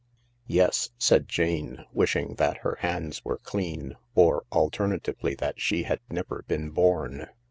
" Yes," said Jane, wishing that her hands were clean, or, alternatively, that she had never been born.